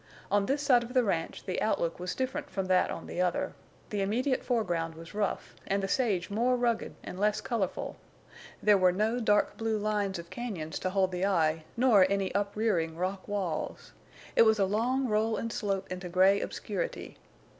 On this side of the ranch the outlook was different from that on the other; the immediate foreground was rough and the sage more rugged and less colorful; there were no dark blue lines of cañons to hold the eye, nor any uprearing rock walls. It was a long roll and slope into gray obscurity.